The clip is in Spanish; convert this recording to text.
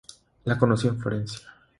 Lo conocí en Florencia.